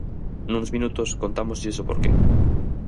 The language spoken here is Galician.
Nuns minutos contámoslles o porqué.